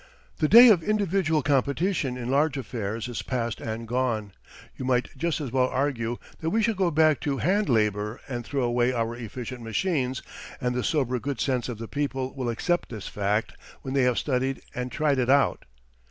The day of individual competition in large affairs is past and gone you might just as well argue that we should go back to hand labour and throw away our efficient machines and the sober good sense of the people will accept this fact when they have studied and tried it out.